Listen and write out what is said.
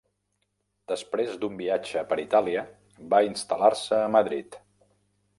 Després d'un viatge per Itàlia va instal·lar-se a Madrid.